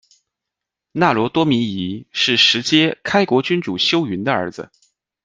那罗多弥夷是实皆开国君主修云的儿子。